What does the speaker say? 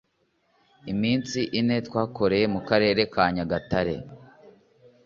iminsi ine twakoreye mu Karere ka Nyagatare